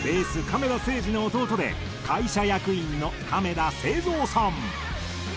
亀田誠治の弟で会社役員の亀田誠三さん。